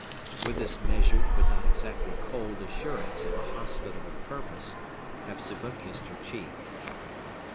With this measured, but not exactly cold assurance of a hospitable purpose, Hepzibah kissed her cheek.